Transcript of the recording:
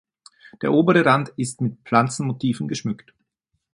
Der obere Rand ist mit Pflanzenmotiven geschmückt.